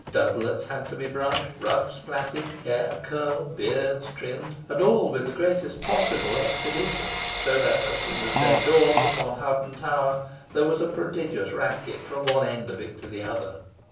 Doublets had to be brushed, ruffs plaited, hair curled, beards trimmed, and all with the greatest possible expedition; so that, as soon as day dawned upon Hoghton Tower, there was a prodigious racket from one end of it to the other.